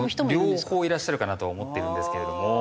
両方いらっしゃるかなと思ってるんですけれども。